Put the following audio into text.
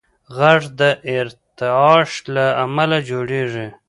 غږ د ارتعاش له امله جوړېږي.